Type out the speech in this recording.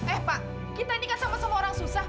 eh pak kita ini gak sama sama orang susah